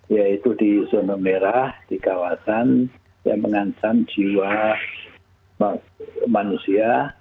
yaitu di zona merah di kawasan yang mengancam jiwa manusia